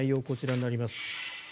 こちらになります。